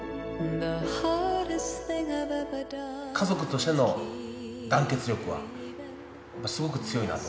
家族としての団結力はすごく強いなと。